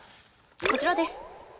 こちらです。